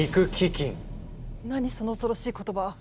何その恐ろしい言葉。